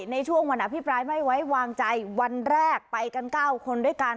ในช่วงวันอภิปรายไม่ไว้วางใจวันแรกไปกัน๙คนด้วยกัน